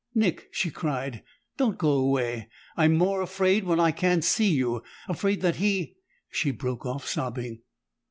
"Nick!" she cried. "Don't go away! I'm more afraid when I can't see you afraid that he " She broke off sobbing.